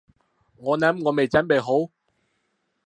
我諗我未準備好